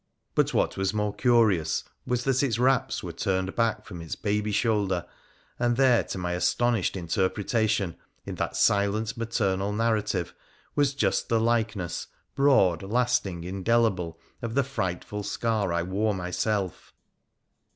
But what was more curious, was that its wraps were turned back from its baby shoulder, and there, to my astonished interpretation, in that silent maternal narrative was just the likeness, broad, lasting, indelible, of the frightful scar I wore myself